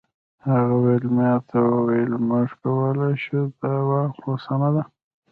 هغه ویلما ته وویل موږ کولی شو دا واخلو سمه ده